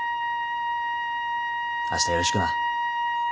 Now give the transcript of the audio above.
明日よろしくな。